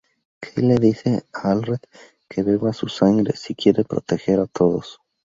Kei le dice a Aldred que beba su sangre si quiere proteger a todos.